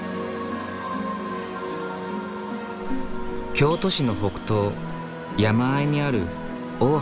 京都市の北東山あいにある大原。